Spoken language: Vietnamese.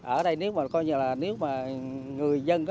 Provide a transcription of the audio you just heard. ở đây nếu mà người dân